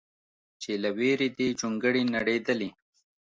چې له ویرې دې جونګړې نړېدلې